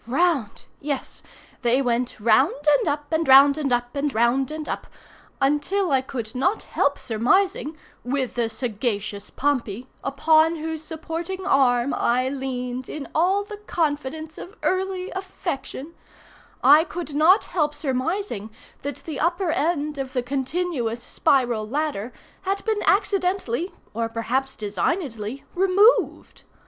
Round! Yes, they went round and up, and round and up and round and up, until I could not help surmising, with the sagacious Pompey, upon whose supporting arm I leaned in all the confidence of early affection—I could not help surmising that the upper end of the continuous spiral ladder had been accidentally, or perhaps designedly, removed.